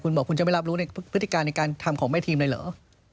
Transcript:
คุณบอกคุณจะไม่รับรู้ในพฤติการในการทำของแม่ทีมเลยเหรอ